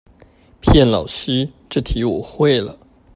騙老師這題我會了